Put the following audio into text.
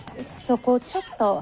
そこちょっと。